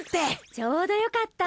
ちょうどよかった。